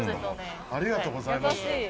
ありがとうございます。